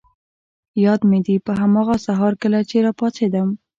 یاد مي دي، په هماغه سهار کله چي راپاڅېدم.